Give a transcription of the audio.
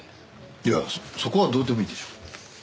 いやそこはどうでもいいでしょう。